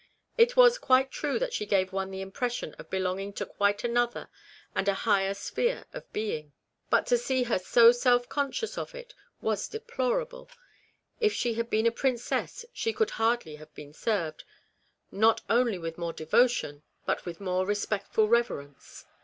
It was quite true that she gave one the impression of be longing to quite another and a higher sphere of being ; but to see her so self conscious of it was deplorable. If she had been a princess she could hardly have been served, not only with more devotion, but with more respectful reverence.